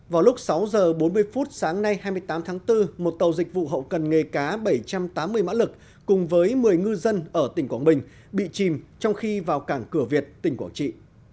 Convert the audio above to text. vào lúc sáu h bốn mươi phút sáng nay hai mươi tám tháng bốn một tàu dịch vụ hậu cần nghề cá bảy trăm tám mươi mã lực cùng với một mươi ngư dân ở tỉnh quảng bình bị chìm trong khi vào cảng cửa việt tỉnh quảng trị